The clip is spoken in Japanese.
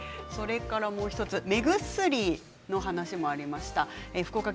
もう１つ目薬の話もありました。